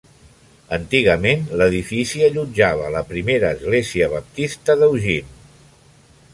Antigament, l'edifici allotjava la Primera Església Baptista d'Eugene.